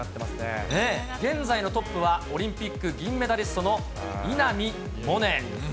現在のトップは、オリンピック銀メダリストの稲見萌寧。